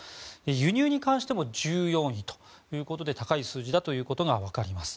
輸入に関しても１４位ということで高い数字だということがわかります。